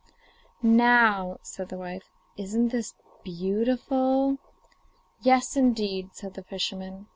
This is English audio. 'Now,' said the wife, 'isn't this beautiful?' 'Yes, indeed,' said the fisherman.